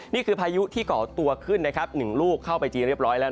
นี่คือพายุที่เกาะตัวขึ้น๑ลูกเข้าไปจีนเรียบร้อยแล้ว